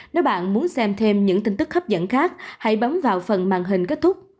nếu bạn muốn xem thêm những tin tức hấp dẫn khác hãy bấm vào phần màn hình kết thúc